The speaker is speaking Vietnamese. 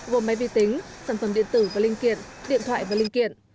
gồm máy vi tính sản phẩm điện tử và linh kiện điện thoại và linh kiện